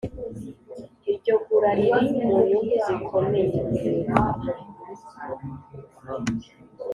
Iryo gura riri mu nyungu zikomeye